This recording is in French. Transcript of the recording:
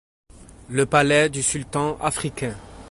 Le palais du sultan africain.